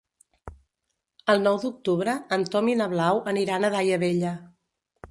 El nou d'octubre en Tom i na Blau aniran a Daia Vella.